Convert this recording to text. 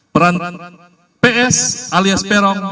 peran ps alias peron